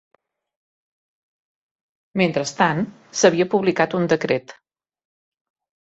Mentrestant, s'havia publicat un decret